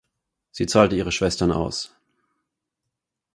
Sie zahlte ihre Schwestern aus.